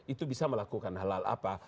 itu bisa melakukan halal apa